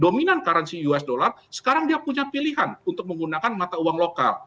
dominan currency us dollar sekarang dia punya pilihan untuk menggunakan mata uang lokal